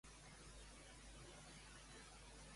A qui ha recriminat Collboni?